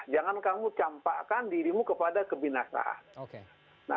jangan kamu campakkan dirimu kepada kebinasaan